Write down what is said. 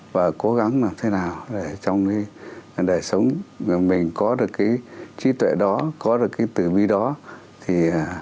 và cố gắng làm thế nào để trong đời sống mình có được cái trí tuệ đó có được cái tử vi đó